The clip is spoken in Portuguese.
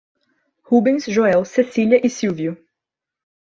Rubens, Joel, Cecília e Sílvio